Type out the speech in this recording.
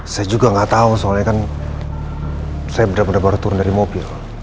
saya juga gak tau soalnya kan saya bener bener baru turun dari mobil